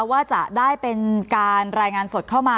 ว่าจะได้เป็นการรายงานสดเข้ามา